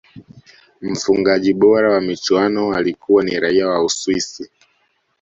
mfungaji bora wa michuano alikuwa ni raia wa uswisi